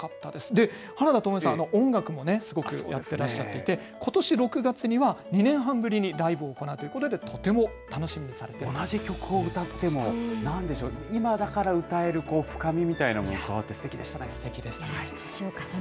で、原田知世さん、音楽もすごくやってらっしゃってて、ことし６月には、２年半ぶりにライブを行うと、とても楽しみにされている同じ曲を歌っても、なんでしょう、今だから歌える深みみたいなもの加わって、すてきでしたね。